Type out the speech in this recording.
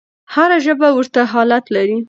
هره ژبه ورته حالت لري.